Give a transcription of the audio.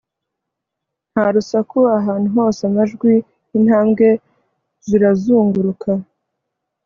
Nta rusaku ahantu hose amajwi intambwe zirazunguruka